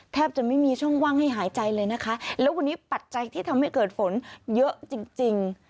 แทบจะไม่มีช่องว่างให้หายใจเลยนะคะแล้ววันนี้ปัจจัยที่ทำให้เกิดฝนเยอะจริงจริง